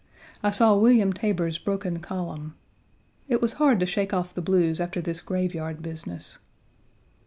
I saw William Taber's broken column. It was hard to shake off the blues after this graveyard business.